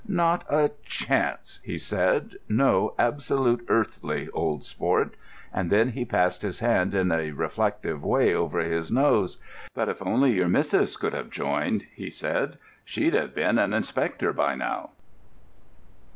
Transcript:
"Not a chance," he said. "No absolute earthly, old sport." And then he passed his hand in a reflective way over his nose. "But if only your missus could have joined," he said, "she'd have been an inspector by now."